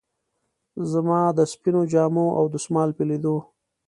زما د سپینو جامو او دستمال په لیدو.